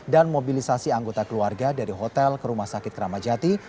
mobilisasi anggota keluarga dari hotel ke rumah sakit keramajati